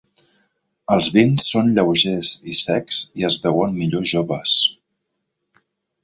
Els vins són lleugers i secs i es beuen millor joves.